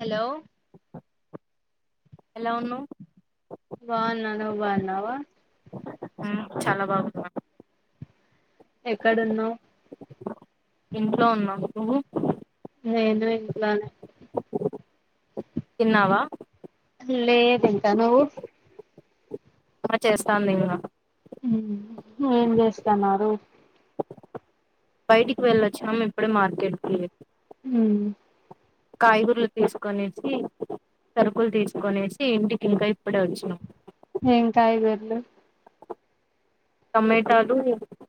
Hello ఎలా ఉన్నావ్ బాగున్నా ను బా అన్నావా చాలా బాగు ఎక్కడున్నావు్ ఇంట్లో ఉన్నాం నువ్ లే ఎందు ఇలా ఎన్నావా అ లేేద ఎంట నువ్వు ఆ చేస్తాంది ఇంకా ఏం చేస్తన్నారు బయటికి వెళ్ళొచ్చాము ఇప్పుడే మార్కెట్కి ఉమ్ కాయగూరలు తీసుకొనేసి సరుకులు తీసుకొనేసి ఇంటికి ఇంకా ఇప్పుడే వచ్చినం ఎం కాయగురలు టమాటాలు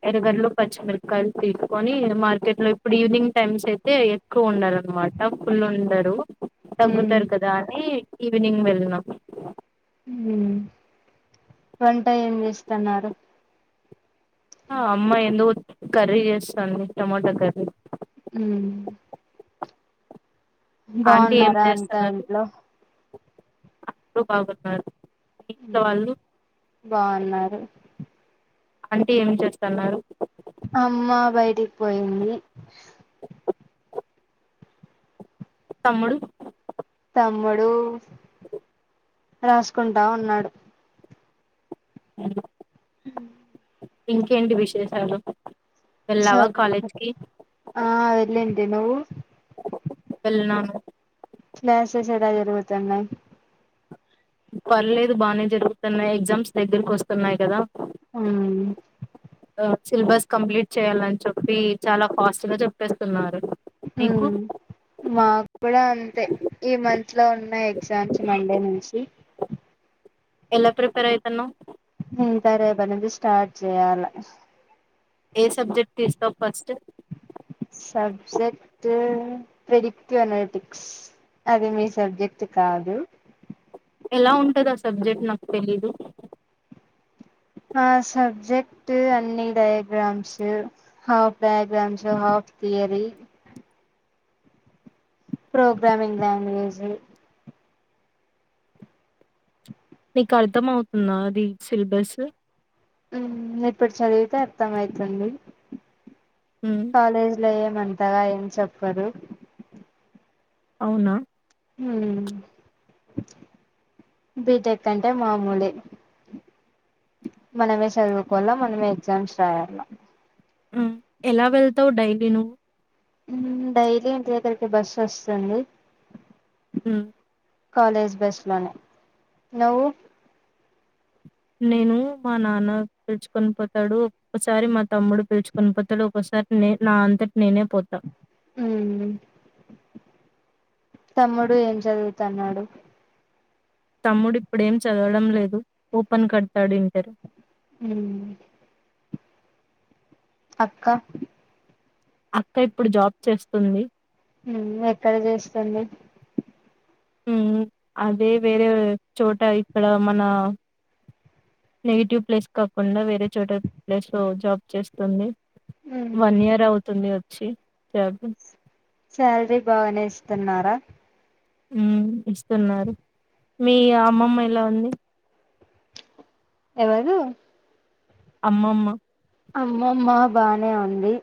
ఎర్రగడ్దలు పచ్చిమిరకాయలు తీసుకొని మార్కెట్ లో ఇప్పుడు ఈవినింగ్ టైమ్స్ అయితే ఎక్కువ ఉండాలన్నమాట ఫుల్ ఉండరు మ్మ్ తగ్గుతారు కదా అని ఈవినింగ్ వెళ్ళిన్నం ఉమ్ వంట ఏం చేస్తున్నారు ఆ అమ్మాయి ఎందుకు కర్రీ చేస్తుంది టమటా కర్రీ హుమ్ బాగున్నారా అంతా ఇంట్లో అందరు బాగున్నారు మీ ఇంట్లో ఉమ్ వాళ్ళు బావున్నారు అంటీ ఏం చేస్తన్నారు అమ్మ బయటికి పోయింది తమ్ముడు తమ్ముడు రాసుకుంటా ఉన్నాడు అ హమ్ ఇంకేంటి విశేషాలు చ్చ వెళ్ళావా కాలేజ్ కి ఆ అదెలండి ఏ నువ్వు వెళ్ళినాను క్లాసెస్ ఎలా జరుగుతున్నాయి పర్లేదు బాగానే జరుగుతున్నాయి ఎగ్జామ్స్ దగ్గరకు వస్తున్నాయి కదా ఆ సిలబస్ కంప్లీట్ చేయ్యాలని చెప్పి చాలా ఫాస్ట్ గా చెప్పేస్తున్నారు నీకు ఉమ్ మాకు కూడా అంతే ఈ మంత్ లో ఉన్నాయి ఎగ్జామ్స్ మండే నుంచి ఎలా ప్రిపేర్ అయితన్నవ్ ఇంకా రేపట్నుంచి స్టార్ట్ చేయాల ఏ సబ్జెక్ట్ తీస్తావు ఫస్ట్ సబ్జెక్ట్ ప్రెడిక్నటిక్స్ అది మీ సబ్జెక్ట్ కాదు ఎలా ఉంటది ఆ సబ్జెక్ట్ నాకు తెలీదు ఆ సబ్జెక్ట్ అన్ని diagrams half diagrams half theory programming language నీకు అర్థం అవుతుందా అది సిలబస్ ఇప్పుడు చదివితే అర్థం అయితుంది ఉమ్, కాలేజ్ లే ఏమ్ అంతగా ఏం చెప్పరు అవునా హుమ్ బీటెక్ అంటే మామూలే మనమే చదువుకోవాల మనమే ఎగ్జామ్స్ రాయాల ఉమ్ ఎలా వెళ్తావ్ డైలీ నువ్వు డైలీ ఇంటి దగ్గరకి బస్సు వస్తాంది ఉమ్ కాలేజ్ బస్ లోనే నువ్వు నేను మా నాన్న పిలుచుకొని పోతాడు ఒక్కొక్కసారి మా తమ్ముడు పిలుచుకొని పోతాడు ఒక్కసారి నే నా అంతట నేనే పోతా ఉమ్ ఉ తమ్ముడు ఏం చదువుతన్నాడు తమ్ముడిప్పుడేం చదవడం లేదు ఓపెన్ కడతాడు ఇంటరు ఉమ్ అక్క అక్క ఇప్పుడు జాబ్ చేస్తుంది ఎక్కడ చేస్తుంది ఉమ్ అదే వేరే చోట ఇక్కడ మన నెగిటివ్ ప్లేస్ కాకుండా వేరే చోట ప్లేస్ లో జాబ్ చేస్తుంది వన్ ఇయర్ అవుతుంది చ్చి జాబ్ సాలరీ బాగానే ఇస్తున్నారా ఉమ్ ఇస్తున్నారు మీ అమ్మమ్మ ఎలా ఉంది ఎవరు అమ్మమ్మా అమ్మమ్మ బానే ఉంది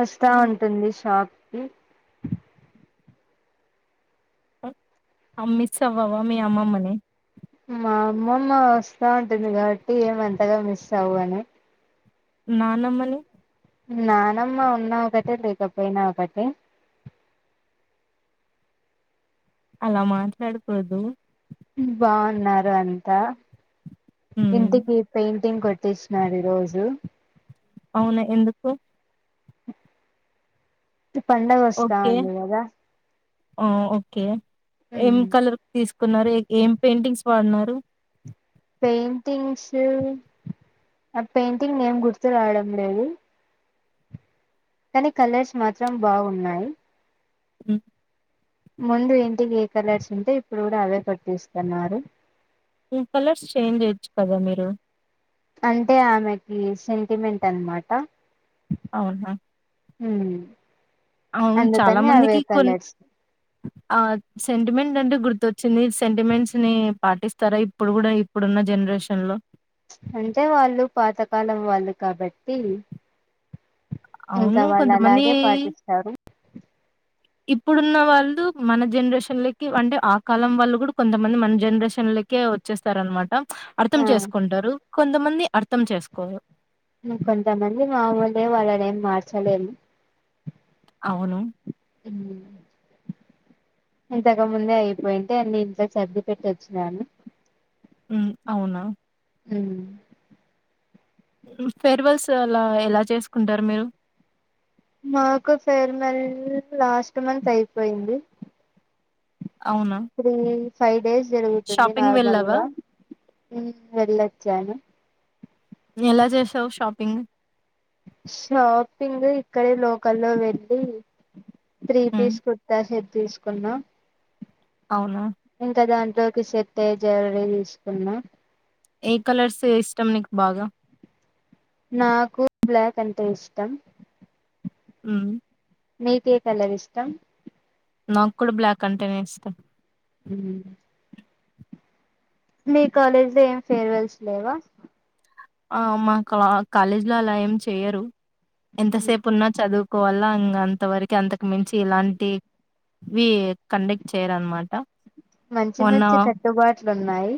వస్తా ఉంటుంది షాప్ ఉ అ మ్మిస్సవ్వవా మీ అమ్మమ్మనీ మా అమ్మమ్మ వస్తా ఉంటుంది కాబట్టి ఏమంతగా మిస్ అవ్వను నానమ్మని నానమ్మ ఉన్నా ఒకటే లేకపోయినా ఒకటే అలా మాట్లాడకూడదు బాగున్నారు అంతా హ్మ్. ఇంతకి పెయింటింగ్ కొ తీష్ నాడి రోజు అవునా ఎందుకు ఇ పండుగ ఓకే. వస్తాంది కదా ఆ ఓకే ఏం కలర్ తీసుక్ న్నారు ఏం పెయింటింగ్స్ వాడినారు పెయింటింగ్స్ ఆ పెయింటింగ్ ఏం గుర్తు రావడం లేదు కానీ కలర్స్ మాత్రం బాగున్నాయి ఉ ముందు ఇంటికి ఏ కలర్స్ ఉంటే ఇప్పుడు కూడా అవే కొట్టిస్తున్నారు ఇం కలర్స్ చేంజ్ చేయొచ్చు కదా మీరు అంటే ఆమెకి సెంటిమెంట్ అనమాట అవున్ హా హుమ్ అవును చాలా మందికి కొ ఆ సెంటిమెంట్ అంటే గుర్తు వచ్చింది సెంటిమెంట్స్ ని పాటిస్తారా ఇప్పుడు కూడా ఇప్పుడున్న జనరేషన్ లో అంటే వాళ్ళు పాతకాలం వాళ్ళు కాబట్టి ఇంకా అవును. వాళ్ళు కొంతమంది అలాగే పాటిస్తారు ఇప్పుడున్న వాళ్ళు మన జనరేషన్లకి అంటే ఆ కాలం వాళ్ళు కూడా కొంతమంది మన జనరేషన్లకే వచ్చేస్తారు అనమాట అర్థం ఆ చేసుకుంటారు కొ కొంతమంది అర్థం చేసుకోరు నువ్వు కొంతమంది మామూలే వాళ్ళని ఏం మార్చలేము అవును ఇంతకుముందే అయిపోయింటే అన్ని ఇంట్లో సర్ది పెట్టొచ్చినాను ఉ అవునా అ ఫెర్వెల్స్ అలా ఎలా చేసుకుంటారు మీరు మాకు ఫేర్మెల్ లాస్ట్ మంత్ అయిపోయింది అవునా? శీ ఫైవ్ డేస్ జరుగుతుంది షాపింగ్ వెళ్ళావా? నార్మల్గా వెళ్ళొచ్చాను సౌ్ షాపింగ్ షాపింగ్ ఇక్కడే లోకల్లో వెళ్ళి త్రీ హ్మ్. పీస్ కుర్తా షెట్ తీసుకున్నాం అవునా? [inaudible] లోకి సెట్ అయ్యే జవరీ తీసుకున్నా ఏ కలర్స్ ఇష్టం నీకు బాగా నాకు బ్లాక్ అంతే ఇష్టం అ మీకే కలర్ష్టం నాకు కూడా బ్లాక్ అంటేనే ఇస్తాం ఉ మీ కాలేజ్ లో ఏం ఫేర్వెల్స్ లేవా ఆ మా కాలేజ్ లో అలా ఏం చెయరు ఎంతసేపు ఉన్నా చదువుకోవాలా అంత వరకు అంతకు మించి ఇలాంటివి కండక్ట్ చేయరు అన్నమాట మంచి మంచి కట్టుబాట్లు ఉన్నాయి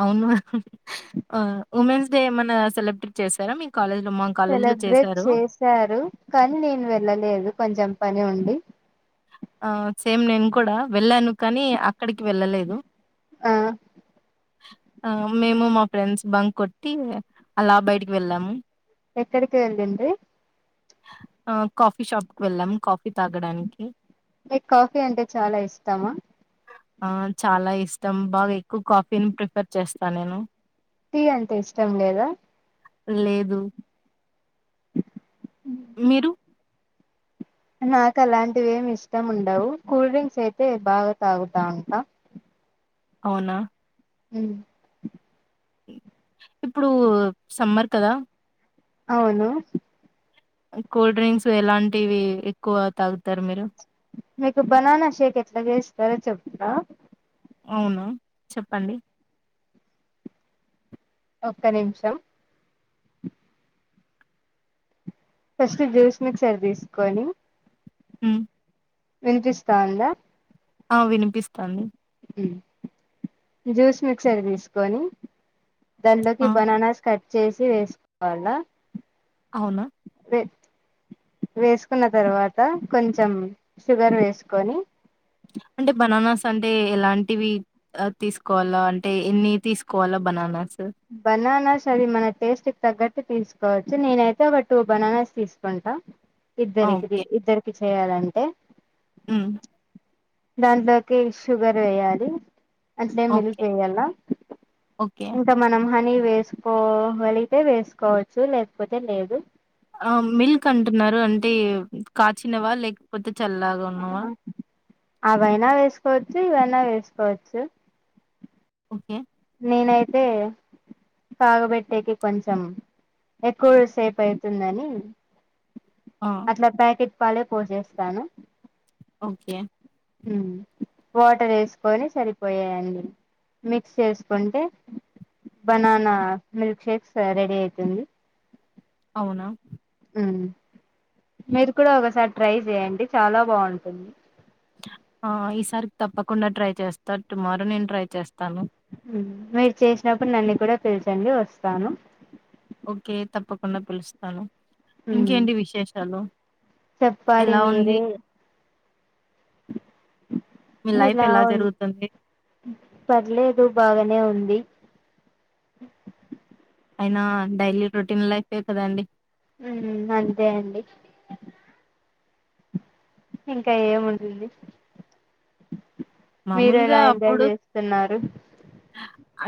అవును ఆ ఉమెన్స్ డే ఏమన్నా సెలబ్రేట్ చేశారా మీ కాలేజీలో? మా కాలేజీలో సెలబ్రేట్ చేశారు. చేశారు కానీ నేను వెళ్ళలేదు కొంచెం పని ఉండి ఆ సేమ్ నేన్ కూడా వెళ్ళాను కానీ అక్కడికి వెళ్ళలేదు ఆ ఆ మేము మా ఫ్రెండ్స్ బం కొట్టి అలా బయటికి వెళ్ళాము ఎక్కడికి వెళ్ళింది ఆ కాఫీ షాప్ కు వెళ్ళాము కాఫీ తాగడానికి మిక్ కాఫీ అంటే చాలా ఇష్టమా ఆ చాలా ఇష్టం బాగా ఎక్కువ కాఫీన్ ప్రిఫర్ చేస్తా నేను టీ అంటే ఇష్టం లేదా లేదు [inaudible] మిరు నాక్ అలాంటివి ఎం ఇష్టం ఉండవు కూల్ డ్రింక్స్ అయితే బాగా తాగుతా ఉంటా అవునా ఉమ్ ఇప్పుడు సమ్మర్ కదా అవును కూల్ డ్రింక్స్ ఎలాంటివి ఎక్కువ తాగుతారు మీరు మీకు బనానా షేక్ ఎట్లా చేస్తారో చెప్తా అవును చెప్పండి ఒక్క నిమిషం ఫస్ట్ జ్యూస్ మిక్సర్ తీసుకొని ఉమ్ వినిపిస్తా ఉందా ఆ వినిపిస్తాంది ఉం జ్యూస్ మిక్సర్ తీసుకొని ఆ దాంట్లోకి బననాస్ కాట్ చేసి వేస్కోవాలా అవునా వేసుకున్న తర్వాత కొంచెం షుగర్ వేసుకొని అంటే బనానాస్ అంటే ఎలాంటివి ఆ తీసుకోవాలా అంటే ఎన్ని తీసుకోవాలా బనానాస్ బననా సది మన టేస్ట్ క తగ్గట్టు తీసుకోవచ్చు నేనైతే ఒక టు బనానాస్ తీసుకుంటా ఆ! ఇద్దరకిది ఇద్దరుకి చేయాలంటే ఉమ్ దాంట్లోకి షుగర్ వేయాలి అట్లే మిల్క్ ఓకే. వేయాల ఓకే. ఇంకా మనం హనీ వే స్కోగలిగితే వేసుకోవచ్చు లేకపోతే లేదు ఆ మిల్క్ అంటున్నారు అంటే కాచినవా లేకపోతే చల్లాగా ఉన్నావా అవైనా వేసుకోవచ్చు ఇవైనా వేసుకోవచ్చు ఓకే నేనైతే కాగబెట్టేకి కొంచెం ఎక్కువ సేపు అయితుందని ఆ! అట్లా ప్యాకెట్ పాలే పోసేస్తాను ఓకే ఉమ్ వాటర్ ఎస్కొని సరిపోయండి మిక్స్ చేసుకుంటే బనానా మిల్క్ షేక్స్ రెడీ అవుతుంది అవునా ఉమ్ మీరు కూడా ఒకసారి ట్రై చేయండి చాలా బాగుంటుంది ఆ ఈసారి తప్పకుండా ట్రై చేస్తా టుమారో నేను ట్రై చేస్తాను మీరు చేసినప్పుడు నన్ను కూడా పలిచండి వస్తాను. ఓకే తప్పకుండా పిలుస్తాను ఇంకేంటి విశేషాలు ఎలా ఉంది. మీ లైఫ్ ఎలా ఉం జరుగుతుంది? పర్లేదు బాగానే ఉంది ఆ అయినా డైలీ రొటీన్ లైఫే కదండి హ్మ్ అంతే అండి. ఇంకా ఏముంటుంది. మీరు ఎలా మామూలుగా ఎంజాయ్ అప్పుడు చేస్తున్నారు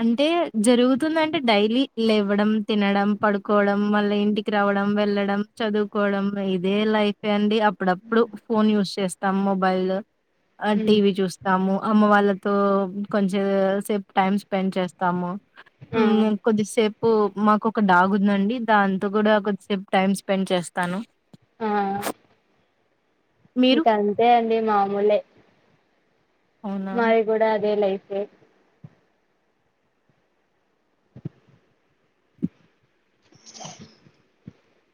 అంటే జరుగుతుందంటే డైలీ లెవ్వడం, తినడం, పడుకోవడం మళ్ళీ ఇంటికి రావడం, వెళ్ళడం, చదువుకోవడం ఇదే లైఫే అండి. అప్పుడప్పుడు ఫోన్ యూజ్ చేస్ తం మొబైల్ ఆ టీవి చూస్ అమ్మ వాళ్ళతో కొంచ సేపు టైమ్ స్పెండ్ చేస్తాము ఆ హ్మ్ కొద్దిసేపు మాకొక డాగ్ ఉందండి దాంతో గుడా కొద్దిసేపు టైమ్ స్పెండ్ చేస్తాను ఆ మీరు? ఇంకా అంతే అం తే మామూలే అవునా! మాది గూడా అదే లైఫ్ ఏ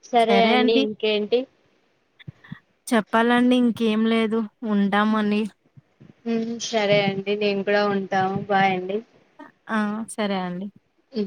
సరే అండి ఇంకేంటి చెప్పాలండి ఇంకేంలేదు ఉంటామని మ్ సరే అండి నేను కూడా ఉంటాము బాయండి ఆ సరే అండి ఆ